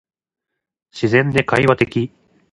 自然で会話的